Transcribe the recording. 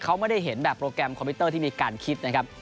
เขาไม่ได้เห็นแบบโปรแกรมคอมพิวเตอร์ที่มีการคิดนะครับ